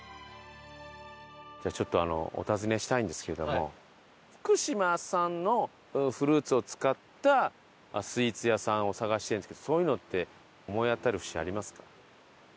じゃあちょっとあのお尋ねしたいんですけども福島産のフルーツを使ったスイーツ屋さんを探してるんですけどそういうのって思い当たる節ありますか？